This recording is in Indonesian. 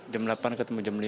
jam delapan ketemu jam lima